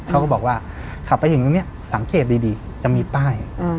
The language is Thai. เขาก็บอกว่าขับไปถึงตรงนี้สังเกตดีจะมีป้าย